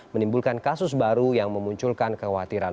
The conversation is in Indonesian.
menimbulkan kasus baru yang memunculkan kekhawatiran